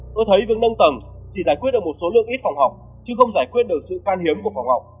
tôi thấy việc nâng tầng chỉ giải quyết được một số lượng ít phòng học chứ không giải quyết được sự khan hiếm của phòng học